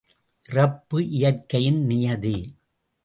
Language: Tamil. இறப்பு இயற்கையின் நியதி.